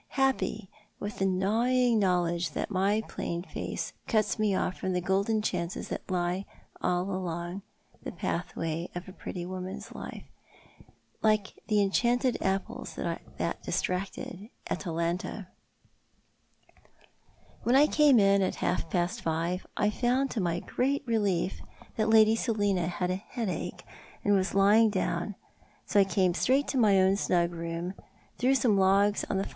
Happy, with the gnawing knowledge that my plain face cuts mo off from the golden chances that lie all along the path way of a pretty woman's life — like the enchanted apples that distracted Atalanta, When I came in at half past five I found to my great relief tliat Lady Sclina had a headache, and was lying down, so I came straight to my own snug room threw some logs on the Cora expatiates.